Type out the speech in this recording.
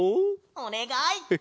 おねがい！